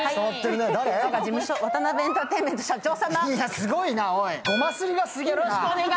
すごいな、おい。